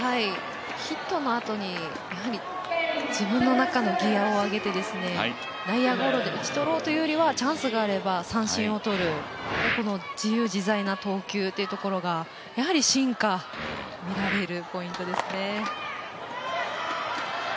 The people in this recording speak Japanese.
ヒットのあとにやはり、自分の中のギアを上げて内野ゴロで打ち取ろうというよりは、チャンスがあれば三振を取る、この自由自在な投球っていうところがやはり進化見られるポイントですね。